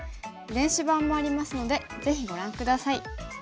電子版もありますのでぜひご覧下さい。